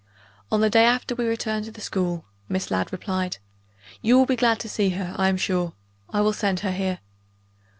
"On the day after we return to the school," Miss Ladd replied. "You will be glad to see her, I am sure. I will send her here."